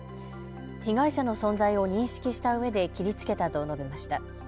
被害者の存在を認識したうえで切りつけたと述べました。